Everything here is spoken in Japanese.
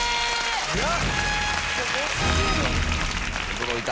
驚いた。